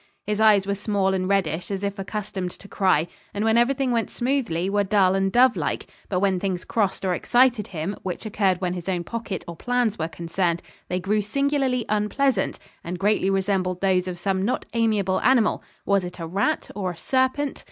His eyes were small and reddish, as if accustomed to cry; and when everything went smoothly were dull and dove like, but when things crossed or excited him, which occurred when his own pocket or plans were concerned, they grew singularly unpleasant, and greatly resembled those of some not amiable animal was it a rat, or a serpent?